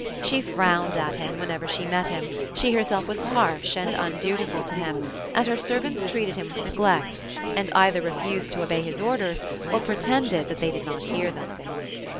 She frowned at him whenever she met him ; she herself was harsh and undutiful to him, and her ser vants treated him with neglect, and either refused to obey his orders or pretended that they did not hear them.